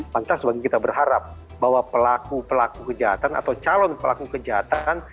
pantas bagi kita berharap bahwa pelaku pelaku kejahatan atau calon pelaku kejahatan